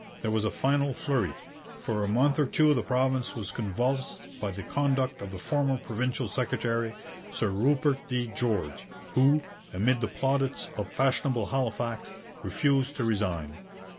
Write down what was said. There was a final flurry. For a month or two the province was convulsed by the conduct of the former provincial secretary, Sir Rupert D. George, who, amid the plaudits of fashionable Halifax, refused to resign.